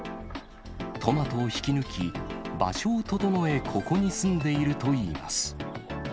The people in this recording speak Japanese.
トマトを引き抜き、場所を整え、ここに住んでいるといいます。